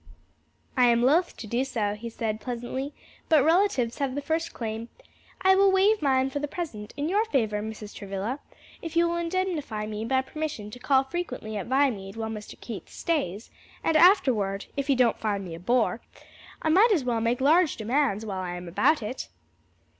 "I am loath to do so," he said, pleasantly, "but relatives have the first claim. I will waive mine for the present, in your favor, Mrs. Travilla, if you will indemnify me by permission to call frequently at Viamede while Mr. Keith stays; and afterward, if you don't find me a bore. I might as well make large demands while I am about it."